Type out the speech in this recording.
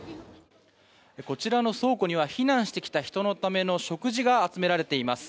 こちらの倉庫には避難してきた人のための食事が集められています。